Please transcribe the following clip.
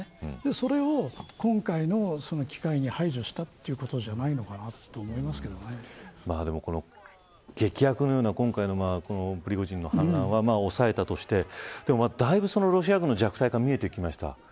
それを今回の機会に排除したということじゃないのかなとでも、この劇薬のような今回のプリゴジンの反乱は抑えたとしてでも、だいぶロシア軍の弱体化が見えてきました。